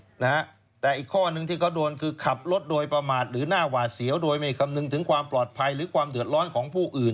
นะฮะแต่อีกข้อนึงที่เขาโดนคือขับรถโดยประมาทหรือหน้าหวาดเสียวโดยไม่คำนึงถึงความปลอดภัยหรือความเดือดร้อนของผู้อื่น